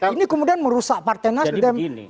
ini kemudian merusak partai nasdem